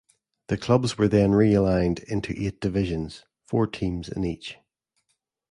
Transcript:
The clubs were then realigned into eight divisions, four teams in each.